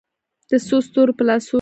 د څو ستورو په لاسو کې